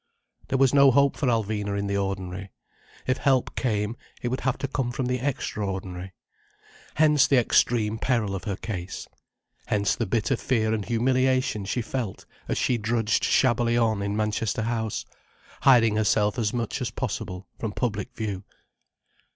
There was no hope for Alvina in the ordinary. If help came, it would have to come from the extraordinary. Hence the extreme peril of her case. Hence the bitter fear and humiliation she felt as she drudged shabbily on in Manchester House, hiding herself as much as possible from public view.